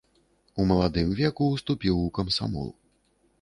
У маладым веку ўступіў у камсамол.